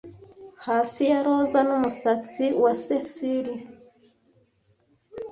hasi ya roza n'umusatsi wa cilice